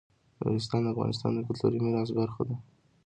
نورستان د افغانستان د کلتوري میراث برخه ده.